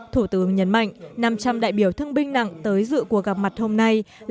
thủ tướng nhấn mạnh năm trăm linh đại biểu thương binh nặng tới dự cuộc gặp mặt hôm nay